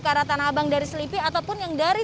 ke arah tanah abang dari selipi ataupun yang dari